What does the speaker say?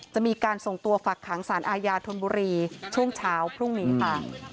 จะมีการส่งตัวฝักขังสารอาญาธนบุรีช่วงเช้าพรุ่งนี้ค่ะ